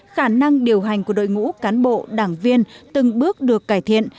khả năng điều hành của đội ngũ cán bộ đảng viên từng bước được cải thiện